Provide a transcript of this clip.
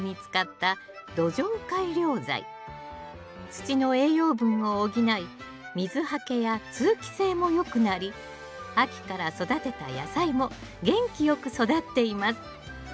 土の栄養分を補い水はけや通気性も良くなり秋から育てた野菜も元気よく育っています